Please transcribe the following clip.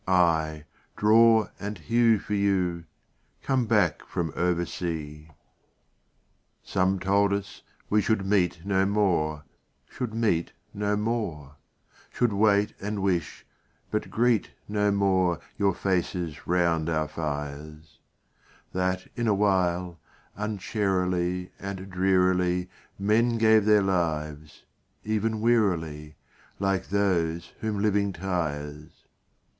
—aye, draw and hew for you, Come back from oversea." III Some told us we should meet no more, Should meet no more; Should wait, and wish, but greet no more Your faces round our fires; That, in a while, uncharily And drearily Men gave their lives—even wearily, Like those whom living tires.